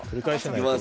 いきます！